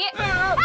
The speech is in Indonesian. ya allah aki